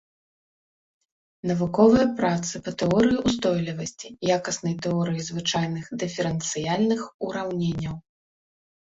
Навуковыя працы па тэорыі устойлівасці, якаснай тэорыі звычайных дыферэнцыяльных ураўненняў.